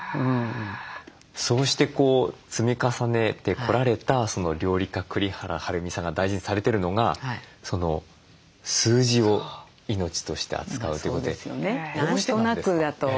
そうして積み重ねてこられた料理家栗原はるみさんが大事にされてるのが数字を命として扱うということで。